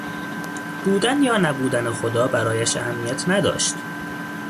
بودن یا نبودن خدا برایش اهمیت نداشت.